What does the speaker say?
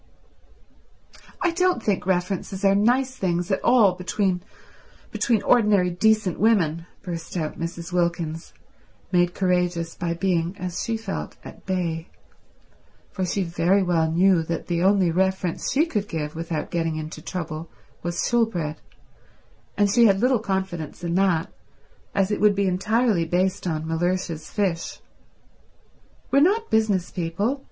"I don't think references are nice things at all between—between ordinary decent women," burst out Mrs. Wilkins, made courageous by being, as she felt, at bay; for she very well knew that the only reference she could give without getting into trouble was Shoolbred, and she had little confidence in that, as it would be entirely based on Mellersh's fish. "We're not business people.